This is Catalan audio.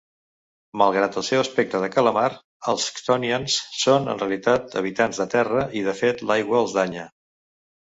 Malgrat el seu aspecte de calamar, els chthonians són en realitat habitants de terra i, de fet, l'aigua els danya.